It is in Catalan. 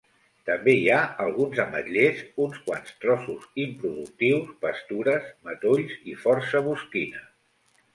També hi ha alguns ametllers, uns quants trossos improductius, pastures, matolls i força bosquina.